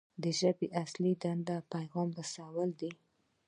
د ژبې اصلي دنده د پیغام رسول دي.